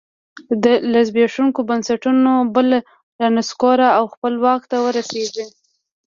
له زبېښونکو بنسټونو بل رانسکور او خپله واک ته ورسېږي